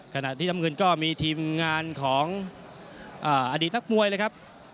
ขณะที่น้ำเงินก็มีทีมงานของอดีตนักมวยเลยครับ